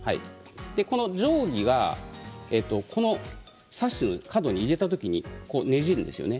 この定規がサッシの角に入れた時に、ねじるんですよね